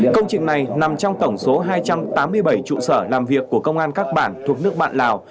công trình này nằm trong tổng số hai trăm tám mươi bảy trụ sở làm việc của công an các bản thuộc nước bạn lào